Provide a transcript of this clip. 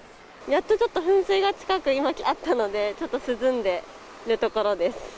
やっとちょっと噴水が近く、今あったので、ちょっと涼んでる